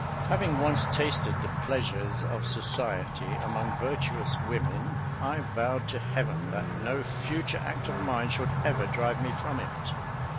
Having once tasted the pleasures of society among virtuous women, I vowed to Heaven that no future act of mine should ever drive me from it.